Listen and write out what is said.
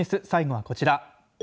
最後はこちら。